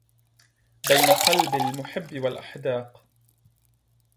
بين قلب المحب والأحداق